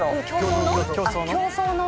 競争の。